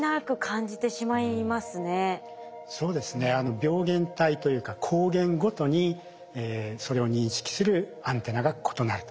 病原体というか抗原ごとにそれを認識するアンテナが異なると。